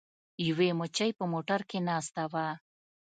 یوې مچۍ په موټر کې ناسته وه.